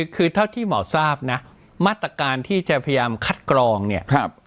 คือเท่าที่หมอทราบนะมาตรการที่จะพยายามคัดกรองเนี่ย